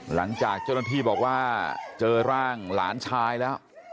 หลังจากเจ้าหน้าที่บอกว่าเจอร่างหลานชายแล้ว